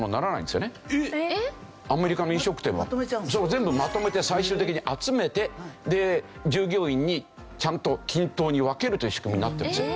全部まとめて最終的に集めて従業員にちゃんと均等に分けるという仕組みになってるんですよ。